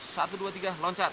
satu dua tiga loncat